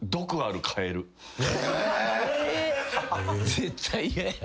絶対嫌や。